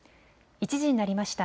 １時になりました。